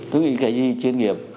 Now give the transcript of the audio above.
tôi nghĩ cái gì chuyên nghiệp